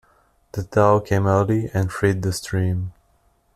The thaw came early and freed the stream.